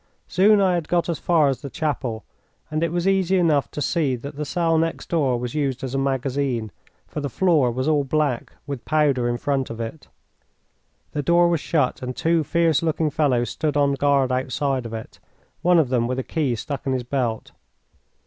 Soon I had got as far as the chapel, and it was easy enough to see that the cell next door was used as a magazine, for the floor was all black with powder in front of it. The door was shut, and two fierce looking fellows stood on guard outside it, one of them with a key stuck in his belt.